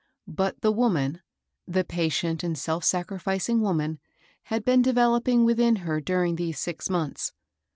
But the woman, the patient and self sacrificing woman, had been developing within her during these six months.